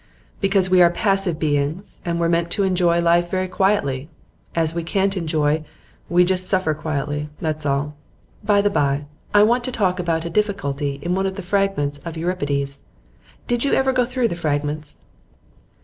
'Because we are passive beings, and were meant to enjoy life very quietly. As we can't enjoy, we just suffer quietly, that's all. By the bye, I want to talk about a difficulty in one of the Fragments of Euripides. Did you ever go through the Fragments?